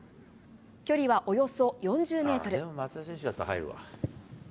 距離はおよそ４０メートル。